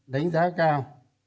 đánh giá cao